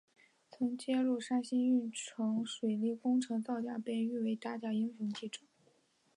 曾揭露山西运城水利工程造假被誉为打假英雄记者。